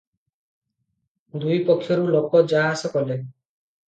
ଦୁଇପକ୍ଷରୁ ଲୋକ ଯା ଆସ କଲେ ।